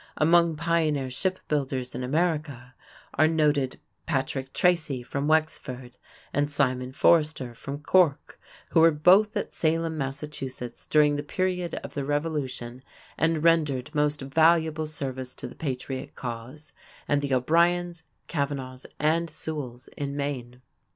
Among pioneer ship builders in America are noted Patrick Tracy fron Wexford and Simon Forrester from Cork, who were both at Salem, Mass., during the period of the Revolution and rendered most valuable service to the patriot cause; and the O'Briens, Kavanaghs, and Sewalls in Maine.